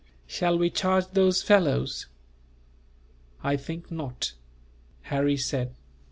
Shall we charge those fellows?" "I think not," Harry said.